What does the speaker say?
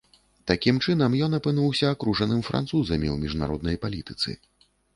Такім чынам, ён апынуўся акружаным французамі ў міжнароднай палітыцы.